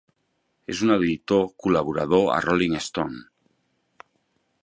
És un editor col·laborador a "Rolling Stone".